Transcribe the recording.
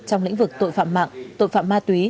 trong lĩnh vực tội phạm mạng tội phạm ma túy